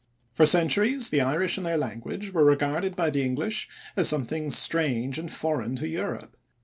For centuries the Irish and their language were regarded by the English as something strange and foreign to Europe.